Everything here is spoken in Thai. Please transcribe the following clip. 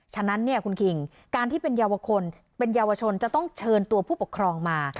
ฉะนั้นคุณคิงการที่เป็นเยาวชนจะต้องเชิญตัวผู้ปกครองมา